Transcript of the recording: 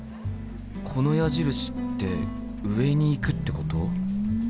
この矢印って上に行くってこと？